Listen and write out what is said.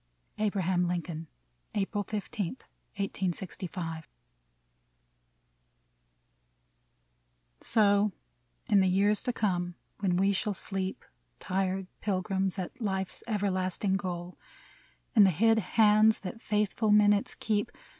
1 Abraham Lincoln, April 15, 1865. 170 MEMORIAL ODE So in the years to come, when we shall sleep, Tired pilgrims, at life's everlasting goal, And the hid hands, that faithful minutes keep.